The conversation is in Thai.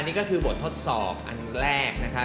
นี่ก็คือบททดสอบอันแรกนะคะ